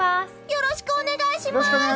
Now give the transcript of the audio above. よろしくお願いします！